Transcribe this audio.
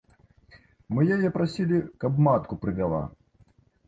Мы яе прасілі, каб матку прывяла.